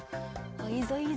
いいぞいいぞ。